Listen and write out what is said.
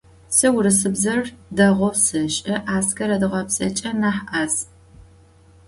Se vurısıbzer değou seş'e, Asker adıgabzeç'e nah 'az.